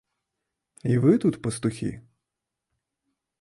І вы тут, пастухі?